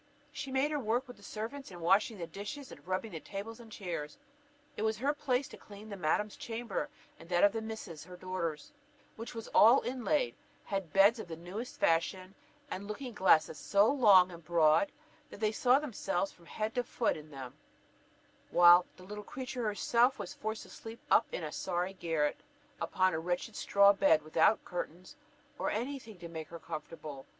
She made her work with the servants in washing the dishes, and rubbing the tables and chairs; it was her place to clean madam's chamber, and that of the misses her daughters, which was all inlaid, had beds of the newest fashion, and looking glasses so long and broad, that they saw themselves from head to foot in them; while the little creature herself was forced to sleep up in a sorry garret, upon a wretched straw bed, without curtains, or any thing to make her comfortable.